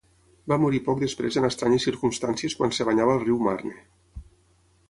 Va morir poc després en estranyes circumstàncies quan es banyava al riu Marne.